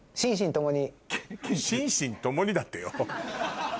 「心身とも」にだってよ。